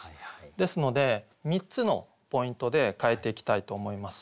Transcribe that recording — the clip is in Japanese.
ですので３つのポイントで変えていきたいと思います。